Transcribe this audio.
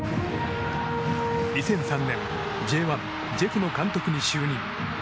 ２００３年Ｊ１ジェフの監督に就任。